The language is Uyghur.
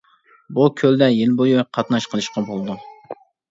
بۇ كۆلدە يىل بويى قاتناش قىلىشقا بولىدۇ.